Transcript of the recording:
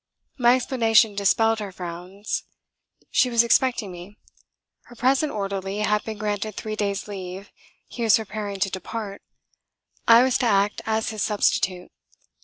My explanation dispelled her frowns. She was expecting me. Her present orderly had been granted three days' leave. He was preparing to depart. I was to act as his substitute.